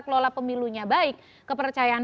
kelola pemilunya baik kepercayaan